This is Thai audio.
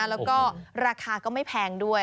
แล้วก็ราคาก็ไม่แพงด้วย